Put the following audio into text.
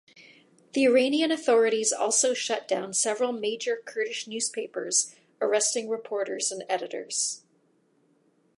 The Iranian authorities also shut down several major Kurdish newspapers arresting reporters and editors.